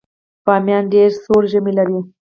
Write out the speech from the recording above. بامیان ډیر سوړ ژمی لري